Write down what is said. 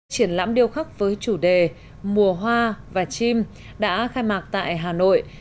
triển lãm điêu khắc với chủ đề mùa hoa và chim đã khai mạc tại hà nội